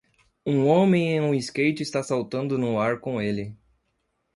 Um homem em um skate está saltando no ar com ele.